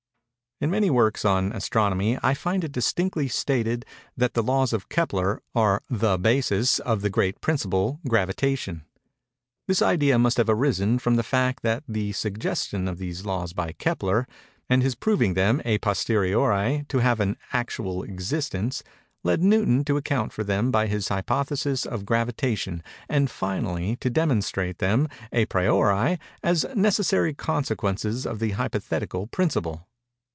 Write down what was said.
In many works on Astronomy I find it distinctly stated that the laws of Kepler are the basis of the great principle, Gravitation. This idea must have arisen from the fact that the suggestion of these laws by Kepler, and his proving them à posteriori to have an actual existence, led Newton to account for them by the hypothesis of Gravitation, and, finally, to demonstrate them à priori, as necessary consequences of the hypothetical principle.